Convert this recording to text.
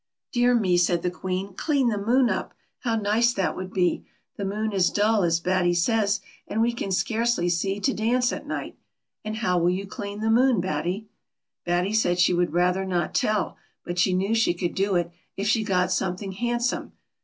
"Dear me," said the Queen, "clean the moon up! How nice that would be The moon is dull, as Batt>' says, and we can scarcely see to dance at night. And how will you clean the moon, Batty ?" Batty said she would rather not tell, but she knew she could do it, if she got something handsome.